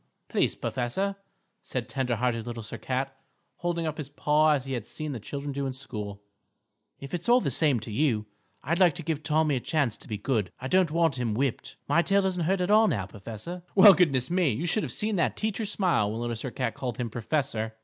"Please, professor," said tender hearted Little Sir Cat, holding up his paw as he had seen the children do in school, "if it's all the same to you, I'd like to give Tommy a chance to be good. I don't want him whipped. My tail doesn't hurt at all now, professor." Well, goodness me. You should have seen that teacher smile when Little Sir Cat called him "professor."